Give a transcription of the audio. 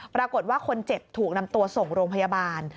ปรากฏว่าคนเจ็บถูกนำตัวส่งโรงพยาบาล